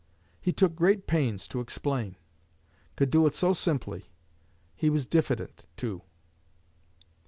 He took great pains to explain; could do it so simply. He was diffident, too."